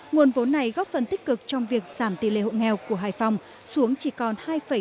nguồn vốn này góp phần tích cực trong việc giảm tỷ lệ hộ nghèo của hải phòng xuống chỉ còn hai bảy mươi